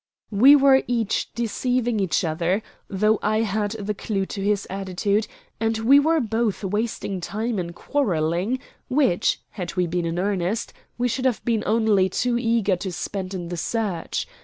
We were each deceiving the other, though I had the clew to his attitude, and we were both wasting time in quarrelling which, had we been in earnest, we should have been only too eager to spend in the search.